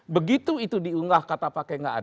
begitu itu diunggah kata pake tidak ada